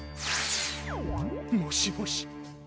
もしもし。